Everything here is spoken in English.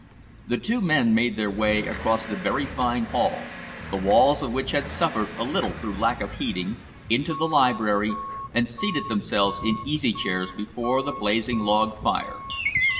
The two men made their way across the very fine hall, the walls of which had suffered a little through lack of heating, into the library, and seated themselves in easy chairs before the blazing log fire.